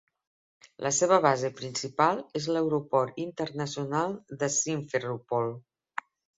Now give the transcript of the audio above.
La seva base principal és l'aeroport internacional de Simferopol.